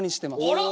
あら！？